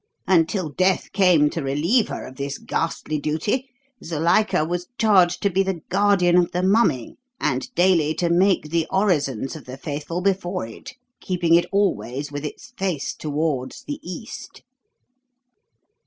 Until death came to relieve her of this ghastly duty, Zuilika was charged to be the guardian of the mummy and daily to make the orisons of the faithful before it, keeping it always with its face towards the East."